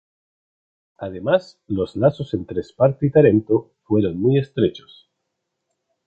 Además, los lazos entre Esparta y Tarento fueron muy estrechos.